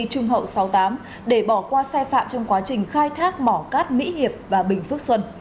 trung hậu sáu mươi tám để bỏ qua sai phạm trong quá trình khai thác mỏ cát mỹ hiệp và bình phước xuân